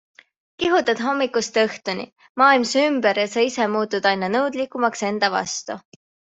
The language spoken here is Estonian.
Kihutad hommikust õhtuni, maailm su ümber ja sa ise muutud aina nõudlikumaks enda vastu.